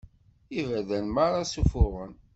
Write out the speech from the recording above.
Iberdan merra sufuɣen.